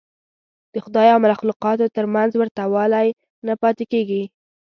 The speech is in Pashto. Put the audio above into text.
د خدای او مخلوقاتو تر منځ ورته والی نه پاتې کېږي.